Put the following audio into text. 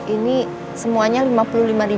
ini semuanya rp lima puluh lima